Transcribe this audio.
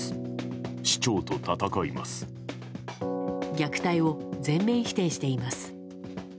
虐待を全面否定しています。